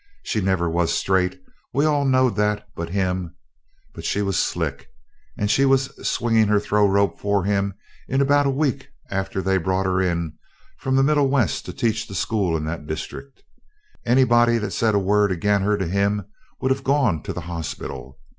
"She never was straight we all knowed that but him, but she was slick, and she was swingin' her throwrope for him in about a week after they brought her in from the Middle West to teach the school in that district. Anybody that said a word ag'in' her to him would have gone to the hospital.